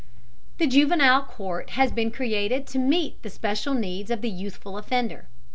The juvenile court has been created to meet the special needs of the youthful offender.